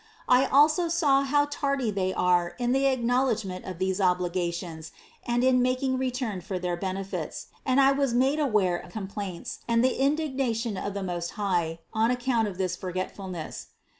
I also saw how tardy they are in the acknowledgment of these obligations and in making return for these benefits ; and I was made aware of the complaints and the indignation of the Most High on account of this forget fulness.